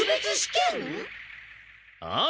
ああ。